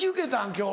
今日。